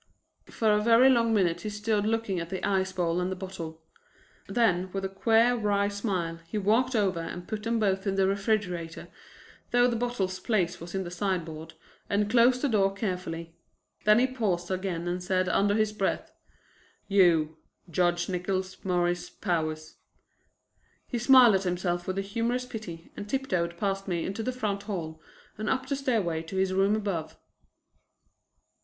For a very long minute he stood looking at the ice bowl and the bottle; then with a queer wry smile he walked over and put them both in the refrigerator, though the bottle's place was in the sideboard, and closed the door carefully. Then he paused again and said under his breath, "You, Judge Nickols Morris Powers!" He smiled at himself with humorous pity and tiptoed past me into the front hall and up the stairway to his rooms above.